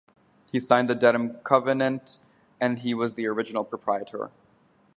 He signed the Dedham Covenant and was an original proprietor.